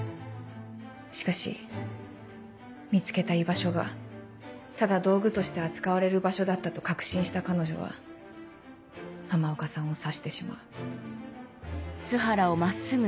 しかし見つけた居場所がただ道具として扱われる場所だったと確信した彼女は浜岡さんを刺してしまう。